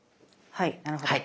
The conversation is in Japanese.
はい。